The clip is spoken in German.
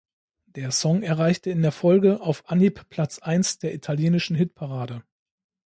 Der Song erreichte in der Folge auf Anhieb Platz eins der italienischen Hitparade.